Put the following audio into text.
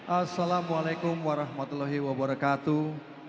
assalamualaikum warahmatullahi wabarakatuh